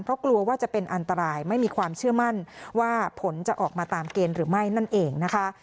เพราะกลัวว่าจะเป็นอันตรายไม่มีความเชื่อมั่นว่าผลจะออกมาตามเกณฑ์หรือไม่นั่นเองนะคะ